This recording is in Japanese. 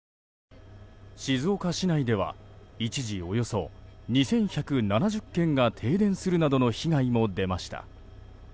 静岡市内では一時、およそ２１７０軒が停電するなどの被害も出ました。